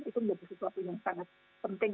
itu menjadi sesuatu yang sangat penting